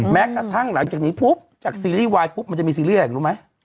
แม้กระทั่งหลังจากนี้ปุ๊บจากซีรีส์วายปุ๊บมันจะมีซีรีส์อะไรรู้ไหม